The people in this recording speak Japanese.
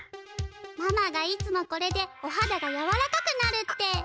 ママがいつもこれでおはだがやわらかくなるって。